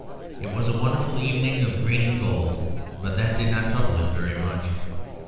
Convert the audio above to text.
It was a wonderful evening of green and gold, but that did not trouble him very much.